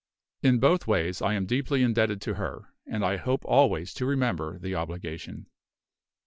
In both ways I am deeply indebted to her; and I hope always to remember the obligation.